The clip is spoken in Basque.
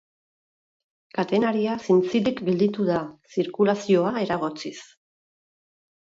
Katenaria zintzilik gelditu da, zirkulazioa eragotziz.